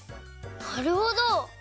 なるほど！